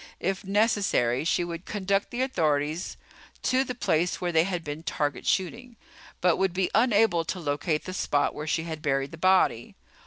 If necessary, she would conduct the authorities to the place where they had been target shooting, but would be unable to locate the spot where she had buried the body.